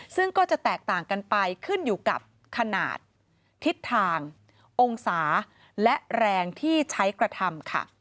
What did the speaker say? ซึ่งก็จะแตกต่างกันไปขึ้นอยู่กับขนาดทิศทางองศาและแรงที่ใช้กระทำค่ะ